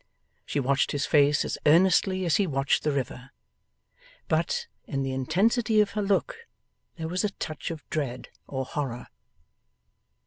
She watched his face as earnestly as he watched the river. But, in the intensity of her look there was a touch of dread or horror.